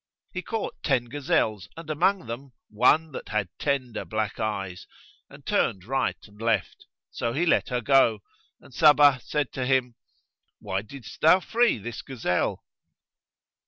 He caught ten gazelles and among them one that had tender black eyes and turned right and left: so he let her go and Sabbah said to him, "Why didst thou free this gazelle?"